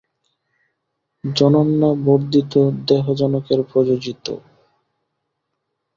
জনন্যা বর্ধিতো দেহো জনকেন প্রযোজিতঃ।